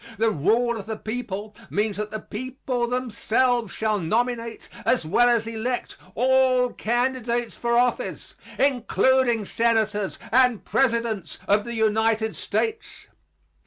The rule of the people means that the people themselves shall nominate, as well as elect, all candidates for office, including Senators and Presidents of the United States.